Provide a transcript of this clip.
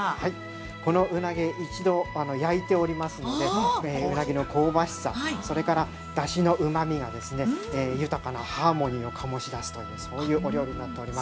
◆このうなぎ、一度焼いておりますので、うなぎの香ばしさ、それから、だしのうまみが豊かなハーモニーをかもしだすというそういうお料理になっております。